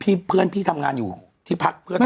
พี่เพื่อนพี่ทำงานอยู่ที่พรรค